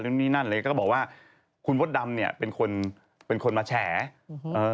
หรือนี่นั่นเลยก็บอกว่าคุณมดดำเนี่ยเป็นคนเป็นคนมาแชร์เออ